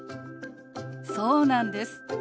そうなんです。